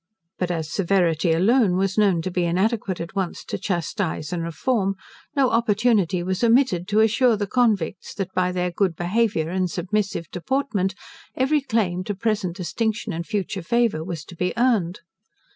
But as severity alone was known to be inadequate at once to chastize and reform, no opportunity was omitted to assure the convicts, that by their good behaviour and submissive deportment, every claim to present distinction and future favour was to be earned.